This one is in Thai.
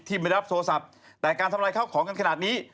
ไม่รับโทรศัพท์แต่การทำลายข้าวของกันขนาดนี้